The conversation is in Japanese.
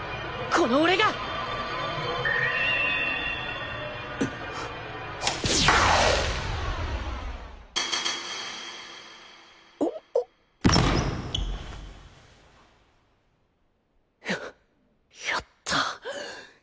この俺が！ややった。